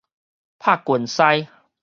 拍拳師